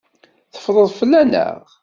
Teffreḍ fell-aneɣ.